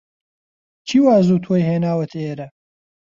چی وا زوو تۆی هێناوەتە ئێرە؟